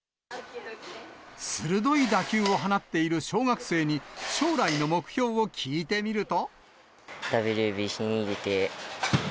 鋭い打球を放っている小学生に、将来の目標を聞いてみると。